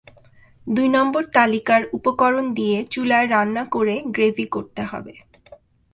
দুই নম্বর তালিকার উপকরণ দিয়ে চুলায় রান্না করে গ্রেভি করতে হবে।